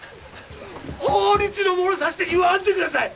法律のものさしで言わんでください！